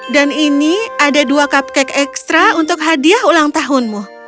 dan ini ada dua cupcake ekstra untuk hadiah ulang tahunmu